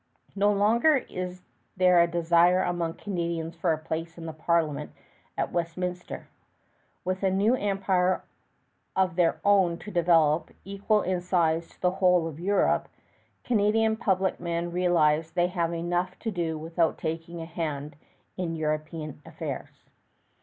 No longer is there a desire among Canadians for place in the Parliament at Westminster. With a new empire of their own to develop, equal in size to the whole of Europe, Canadian public men realize they have enough to do without taking a hand in European affairs.